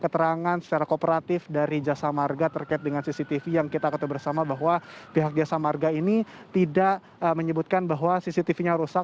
keterangan secara kooperatif dari jasa marga terkait dengan cctv yang kita ketemu bersama bahwa pihak jasa marga ini tidak menyebutkan bahwa cctv nya rusak